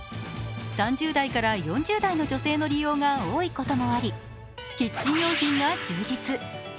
３０代から４０代の女性の利用が多いこともあり、キッチン用品が充実。